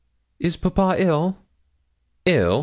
'Is papa ill?' 'Ill!